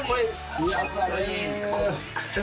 癒やされる。